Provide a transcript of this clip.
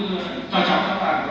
là hai sản phẩm